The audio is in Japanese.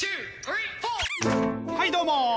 はいどうも！